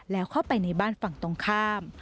แล้วเข้าไปในบ้านฝั่งตรงข้าม